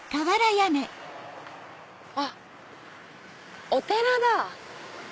あっお寺だ。